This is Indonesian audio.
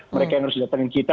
mereka yang harus datangin kita